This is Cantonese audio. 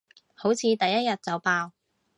好似第一日就爆